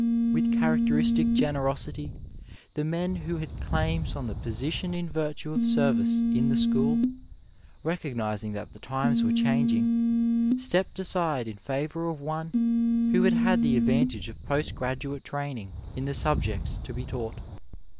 With characteristic generosity the men who had claims on the position in virtue of service in the school, recognizing that the times were changing, stepped aside in favour of one who had had the advantage of post graduate training in the subjects to be taught.